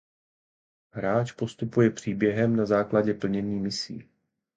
Hráč postupuje příběhem na základě plnění misí.